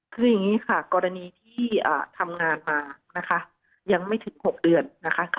คืออย่างนี้ค่ะกรณีที่ทำงานมานะคะยังไม่ถึง๖เดือนนะคะ